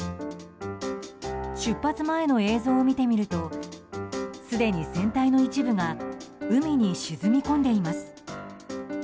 出発前の映像を見てみるとすでに船体の一部が海に沈み込んでいます。